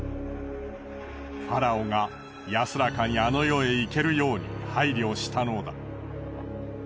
ファラオが安らかにあの世へ行けるように配慮したのだ。